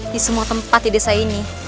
di semua tempat di desa ini